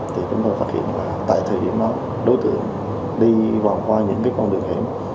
thì chúng tôi phát hiện là tại thời điểm đó đối tượng đi vòng qua những cái con đường hẻm